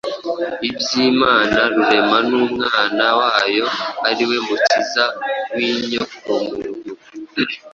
iby’Imana Rurema n’Umwana wayo ari we Mukiza w’inyokomuntu.